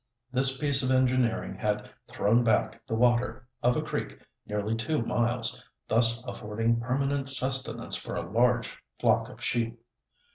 This piece of engineering had "thrown back" the water of a creek nearly two miles, thus affording permanent sustenance for a large flock of sheep.